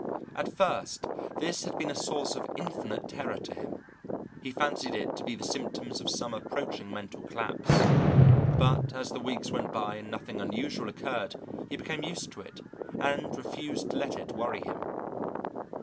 At first this had been a source of infinite terror to him. He fancied it to be the symptoms of some approaching mental collapse, but, as the weeks went by and nothing unusual occurred, he became used to it, and refused to let it worry him.